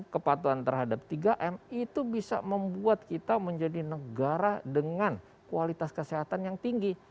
kepatuhan terhadap tiga m itu bisa membuat kita menjadi negara dengan kualitas kesehatan yang tinggi